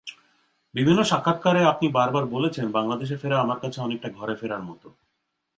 বিভিন্ন সাক্ষাৎকারে আপনি বারবার বলেছেন, বাংলাদেশে ফেরা আমার কাছে অনেকটা ঘরে ফেরার মতো।